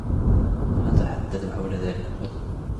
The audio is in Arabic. سنتحدث حول ذلك غداً.